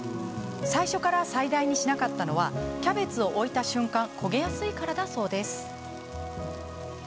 最初から最大にしなかったのはキャベツを置いた瞬間焦げやすいからだそうです。